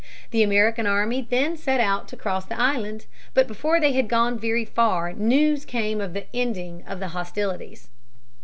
The American army then set out to cross the island. But before they had gone very far news came of the ending of the hostilities.